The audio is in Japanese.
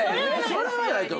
それはないです！